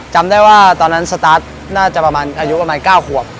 จำได้ว่าตอนนั้นสตาร์ทน่าจะประมาณอายุประมาณ๙ขวบ